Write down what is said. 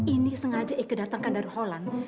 ini sengaja eka datangkan dari holland